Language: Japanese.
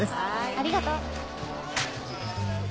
ありがとう。